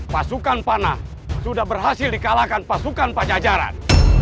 pasukan panah sudah berhasil dikalahkan pasukan pajajaran